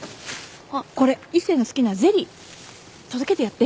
これ一星の好きなゼリー。届けてやって。